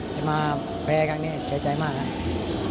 จะมาแพ้ครั้งนี้เสียใจมากนะครับ